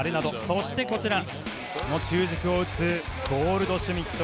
そして中軸を打つゴールドシュミット。